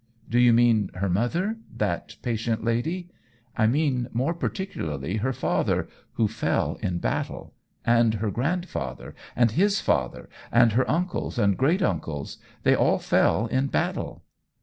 " Do you mean her mother — that patient lady ?''" I mean more particularly her father, who fell in battle. And her grandfather, and his father, and her uncles and great uncles — they all fell in battle."